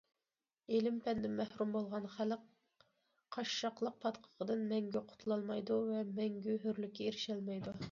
ئىلىم- پەندىن مەھرۇم بولغان خەلق قاششاقلىق پاتقىقىدىن مەڭگۈ قۇتۇلالمايدۇ ۋە مەڭگۈ ھۆرلۈككە ئېرىشەلمەيدۇ.